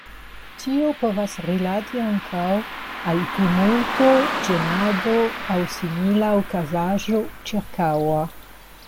Tio povas rilati ankaŭ al tumulto, ĝenado aŭ simila okazaĵo ĉirkaŭa.